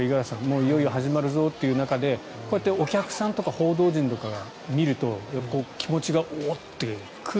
いよいよ始まるぞという中でこうやってお客さんとか報道陣とかを見ると気持ちがおおっ！って来る。